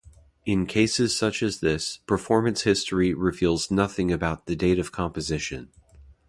In cases such as this, performance history reveals nothing about the date of composition.